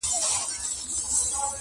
جومات بل قبله بدله مُلا بله ژبه وايي -